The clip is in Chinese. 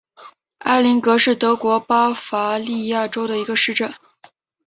埃林格是德国巴伐利亚州的一个市镇。